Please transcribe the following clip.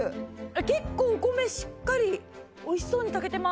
結構お米しっかり美味しそうに炊けてます。